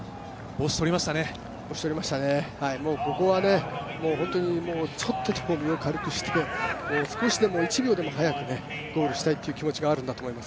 ここはちょっとでも軽くして、少しでも１秒でも速くゴールしたいという気持ちがあるんだと思いま